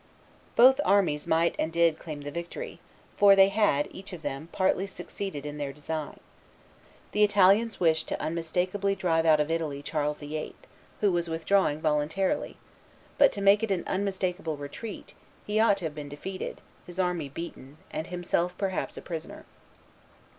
Both armies might and did claim the victory, for they had, each of them, partly succeeded in their design. The Italians wished to unmistakably drive out of Italy Charles VIII., who was withdrawing voluntarily; but to make it an unmistakable retreat, he ought to have been defeated, his army beaten, and himself perhaps a prisoner.